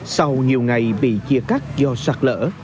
sau nhiều ngày bị chia cắt do sạt lở